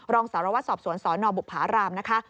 รองสารวัตรสอบสวนสนบุภารามนะคะ